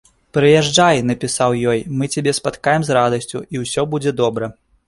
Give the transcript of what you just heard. Прыязджай, напісаў ёй, мы цябе спаткаем з радасцю, і ўсё будзе добра.